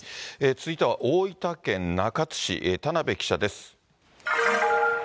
続いては大分県中津市、田辺記者です。